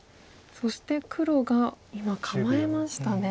そして黒が今構えましたね。